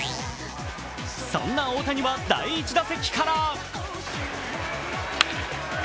そんな大谷は第１打席から。